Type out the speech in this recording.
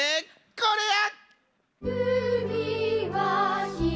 これや！